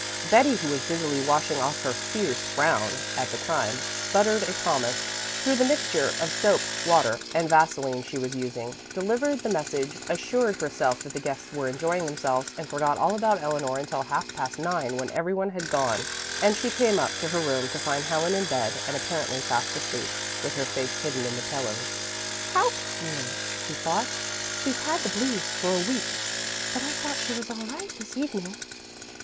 Betty, who was busily washing off her "fierce frown" at the time, sputtered a promise through the mixture of soap, water and vaseline she was using, delivered the message, assured herself that the guests were enjoying themselves, and forgot all about Eleanor until half past nine when every one had gone and she came up to her room to find Helen in bed and apparently fast asleep, with her face hidden in the pillows. "How queer," she thought. "She's had the blues for a week, but I thought she was all right this evening."